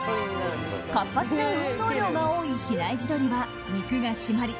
活発で運動量が多い比内地鶏は肉が締まり